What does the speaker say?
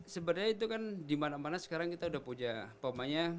sebenarnya itu kan dimana mana sekarang kita udah punya pemainnya